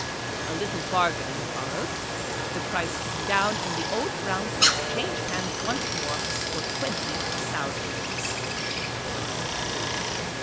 A little bargaining followed, the price came down and the old brown coat changed hands once more, for twenty thousand pounds.